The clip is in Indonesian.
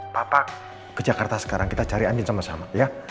papa ke jakarta sekarang kita cari anjing sama sama ya